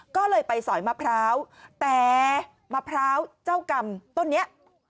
ก็เลยไปสอยมะพร้าวแต่มะพร้าวเจ้ากรรมต้นนี้